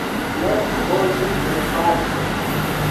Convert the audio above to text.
Ne ripozu en paco!